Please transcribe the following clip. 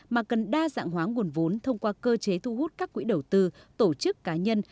mà cần đa dạng hóa nguồn vốn thông qua cơ chế thu hút các quỹ đầu tư tổ chức cá nhân